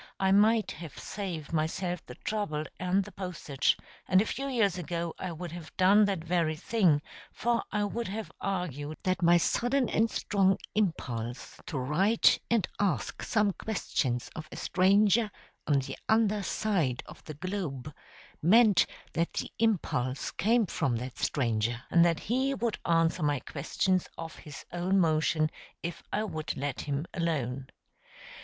I might have saved myself the trouble and the postage and a few years ago I would have done that very thing, for I would have argued that my sudden and strong impulse to write and ask some questions of a stranger on the under side of the globe meant that the impulse came from that stranger, and that he would answer my questions of his own motion if I would let him alone.